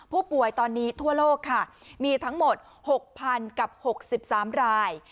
ผู้ป่วยตอนนี้ทั่วโลกค่ะมีทั้งหมด๖๐๐๐กับ๖๓ราย